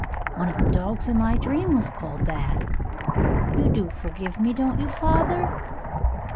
One of the dogs in my dream was called that. You do forgive me, don't you, father?"